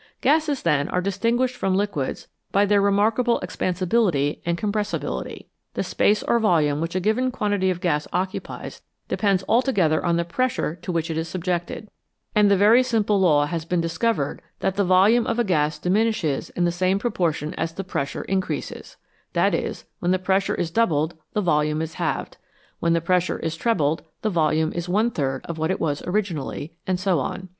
Gases, then, are distinguished from liquids by their re markable expansibility and compressibility. The space or volume which a given quantity of gas occupies depends altogether on the pressure to which it is subjected, and the very simple law has been discovered that the volume of a gas diminishes in the same proportion as the pressure increases ; that is, when the pressure is doubled, the volume is halved ; when the pressure is trebled, the volume is one third of what it was origin ally, and so on.